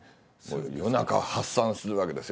夜中発散するわけですよ。